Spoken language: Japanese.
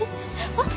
あっ。